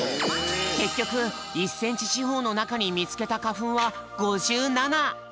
けっきょく１センチしほうのなかにみつけたかふんは５７。